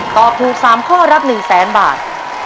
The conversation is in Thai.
ตอบถูก๓ข้อรับ๑๐๐๐๐๐บาท